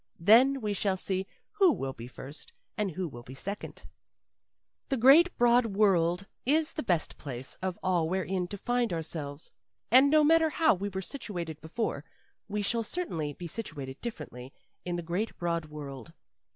Then we shall see who will be first and who will be second. The great, broad world is the best place of all wherein to find ourselves. And no matter how we were situated before, we shall certainly be situated differently in the great broad world.